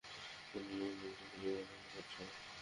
তিনি এমনই একটি সুযোগের অপেক্ষা করছিলেন।